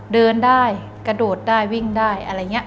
เดินได้กระโดดได้วิ่งได้อะไรอย่างนี้